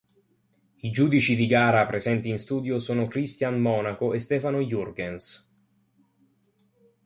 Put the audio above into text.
I giudici di gara presenti in studio sono Christian Monaco e Stefano Jurgens.